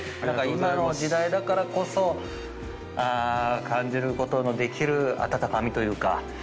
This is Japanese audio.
今の時代だからこそ感じることのできる温かみというか。